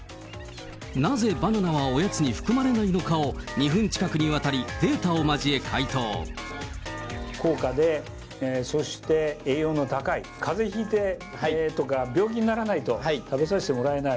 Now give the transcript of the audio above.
なぜバナナはおやつに含まれないのかを２分近くにわたりデー高価で、そして栄養の高い、かぜひいてとか、病気にならないと食べさせてもらえない。